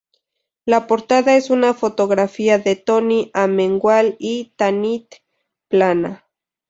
La portada es una fotografía de Toni Amengual y Tanit Plana.